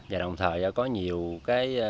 và đồng thời có nhiều cái